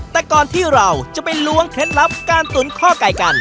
แต่ก่อนที่เราจะไปล้วงเคล็ดลับการตุ๋นข้อไก่กัน